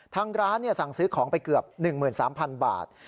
ทางร้านสั่งซื้อของไปเกือบ๑๓๐๐๐บาท